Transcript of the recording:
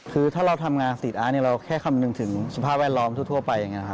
คือถ้าเราทำงานซีดอาร์ตเราแค่คำนึงถึงสภาพแวดล้อมทั่วไปอย่างนี้ครับ